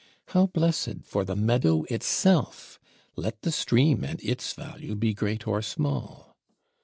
How blessed for the meadow itself, let the stream and its value be great or small!